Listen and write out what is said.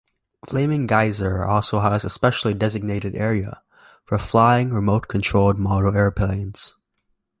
Flaming Geyser also has a specially designated area for flying remote-controlled model airplanes.